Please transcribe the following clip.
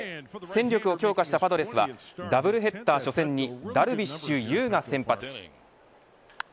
戦力を強化したパドレスはダブルヘッダー初戦にダルビッシュ有が先発。